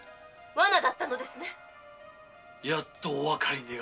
ワナだったのですねやっとおわかり願えましたか。